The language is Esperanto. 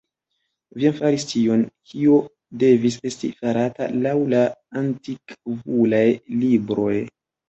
Vi jam faris tion, kio devis esti farata laŭ la Antikvulaj Libroj.